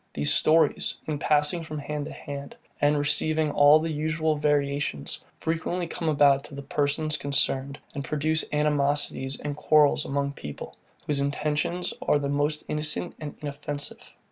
These stories, in passing from hand to hand, and receiving all the usual variations, frequently come about to the persons concerned, and produce animosities and quarrels among people, whose intentions are the most innocent and inoffensive.